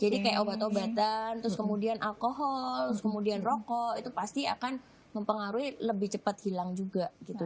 jadi kayak obat obatan terus kemudian alkohol terus kemudian rokok itu pasti akan mempengaruhi lebih cepat hilang juga gitu